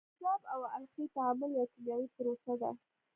د تیزاب او القلي تعامل یو کیمیاوي پروسه ده.